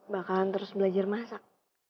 bakalan terus belajar masak